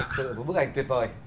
thực sự bức ảnh tuyệt vời